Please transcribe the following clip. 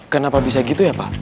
kenapa bisa gitu ya pak